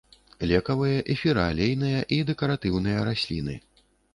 Лекавыя, эфіраалейныя і дэкаратыўныя расліны.